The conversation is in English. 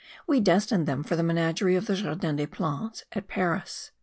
We destined them for the menagerie of the Jardin des Plantes at Paris.